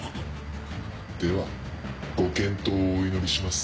ではご健闘をお祈りします。